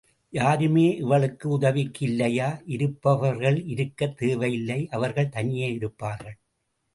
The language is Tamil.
யாருமே இவளுக்கு உதவிக்கு இல்லையா? இருப்பார்கள் இருக்கத் தேவை இல்லை அவர்கள் தனியே இருப்பார்கள்.